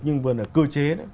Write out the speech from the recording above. nhưng vừa là cơ chế